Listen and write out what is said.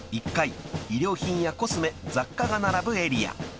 ［衣料品やコスメ雑貨が並ぶエリア］